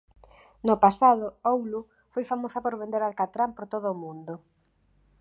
No pasado Oulu foi famosa por vender alcatrán por todo o mundo.